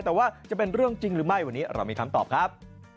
แต่ว่าจะเป็นเรื่องจริงหรือไม่วันนี้เรามีคำตอบครับ